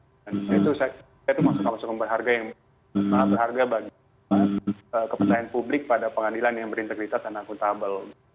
itu saya tuh masukkan masukkan berharga yang sangat berharga bagi kepentingan publik pada pengadilan yang berintegritas dan akuntabel